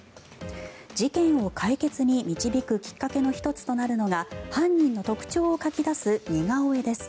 事件を解決に導くきっかけの１つとなるのが犯人の特徴を描き出す似顔絵です。